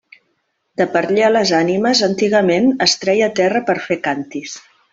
De per allí a les Ànimes, antigament es treia terra per a fer càntirs.